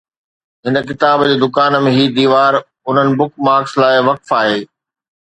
هن ڪتاب جي دڪان ۾، هي ديوار انهن بک مارڪس لاء وقف آهي